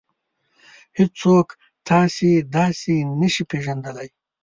هېڅوک تاسې داسې نشي پېژندلی.